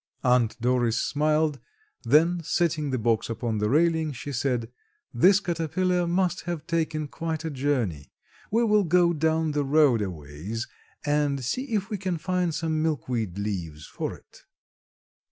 Aunt Doris smiled, then setting the box upon the railing she said: "This caterpillar must have taken quite a journey; we will go down the road a ways and see if we can find some milk weed leaves for it."